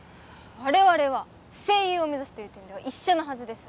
我々は声優を目指すという点では一緒のはずです